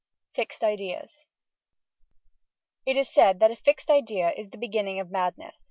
FIXED IDEAS It is said that a Fixed Idea is the beginning of madness.